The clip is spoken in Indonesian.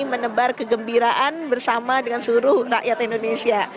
menebar kegembiraan bersama dengan seluruh rakyat indonesia